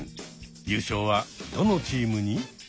優勝はどのチームに？